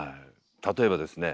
例えばですね